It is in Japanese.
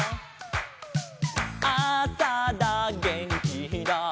「あさだげんきだ」